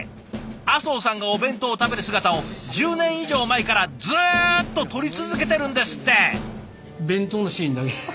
阿相さんがお弁当を食べる姿を１０年以上前からずっと撮り続けてるんですって！